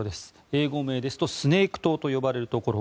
英語名ですとスネーク島と呼ばれるところ。